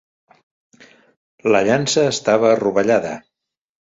La llança estava rovellada.